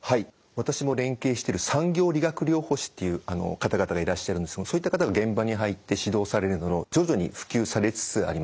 私も連携している産業理学療法士っていう方々がいらっしゃるんですがそういった方が現場に入って指導されるのを徐々に普及されつつあります。